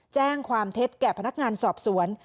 แจ้งความเท็จแก่พนักงานสอบสวน